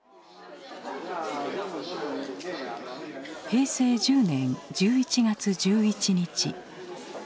平成１０年１１月１１日。